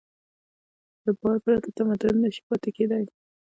له باور پرته تمدن نهشي پاتې کېدی.